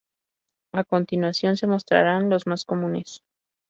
A continuación se mostrarán los más comunes.